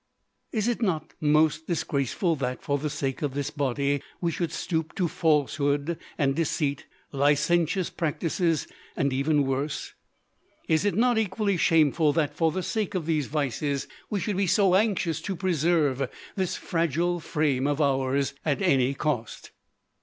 Is it not most disgraceful that, for the sake of this body, we should stoop to falsehood and deceit, licentious practices and even worse? Is it not equally shameful that, for the sake of these vices, we should be so anxious to preserve this fragile frame of ours at any cost?